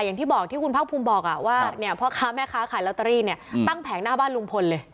อย่างที่บอกที่คุณภาคภูมิบอกว่าพ่อค้าแม่ค้าขายลอตเตอรี่เนี่ยตั้งแผงหน้าบ้านลุงพลเลย